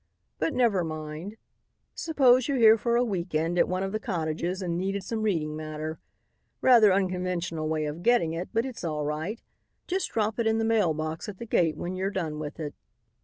But never mind. Suppose you're here for a week end at one of the cottages and needed some reading matter. Rather unconventional way of getting it, but it's all right. Just drop it in the mail box at the gate when you're done with it."